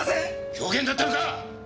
狂言だったのか！？